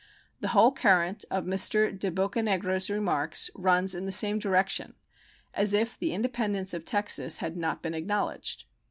The whole current of Mr. De Bocanegra's remarks runs in the same direction, as if the independence of Texas had not been acknowledged.